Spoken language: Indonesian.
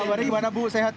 kabarnya gimana bu sehat